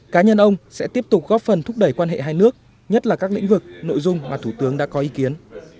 cá nhân ông sẽ tiếp tục góp phần thúc đẩy quan hệ hai nước nhất là các lĩnh vực nội dung mà thủ tướng đã có ý kiến